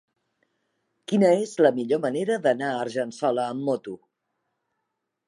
Quina és la millor manera d'anar a Argençola amb moto?